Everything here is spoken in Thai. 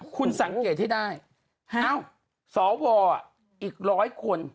คุณสังเกตให้ได้เอ้าสหเวอร์อ๋ออีกร้อยคน